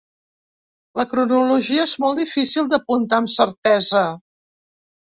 La cronologia és molt difícil d'apuntar amb certesa.